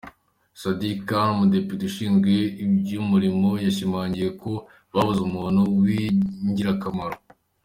Sadiq Khan, Umudepite ushinzwe iby’umurimo yashimangiye ko babuze umuntu w’ ingirakamaro.